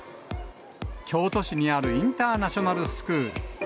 京都市にあるインターナショナルスクール。